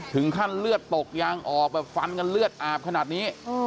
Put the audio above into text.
ถึงขั้นเลือดตกยางออกแบบฟันกันเลือดอาบขนาดนี้